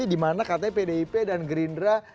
di mana katanya pdip dan gerindra